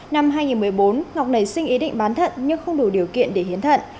năm hai nghìn một mươi bốn ngọc nảy sinh ý định bán thận nhưng không đủ điều kiện để hiến thận